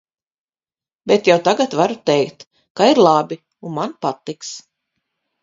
Bet jau tagad varu teikt, ka ir labi un man patiks.